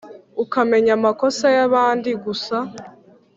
ukamenya amakosa y` abandi gusa